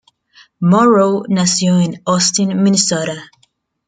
Morrow nació en Austin, Minnesota.